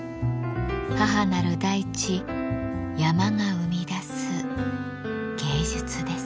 母なる大地山が生み出す芸術です。